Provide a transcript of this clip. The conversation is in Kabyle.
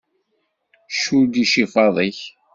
Cudd icifaḍ-ik!